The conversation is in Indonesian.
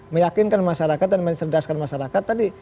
meyakinkan masyarakat dan mencerdaskan masyarakat tadi